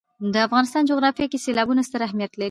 د افغانستان جغرافیه کې سیلابونه ستر اهمیت لري.